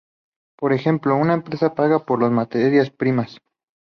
Por ejemplo, una empresa paga por las materias primas.